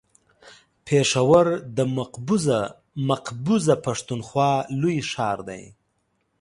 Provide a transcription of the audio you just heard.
پېښور د مقبوضه پښتونخوا لوی ښار دی.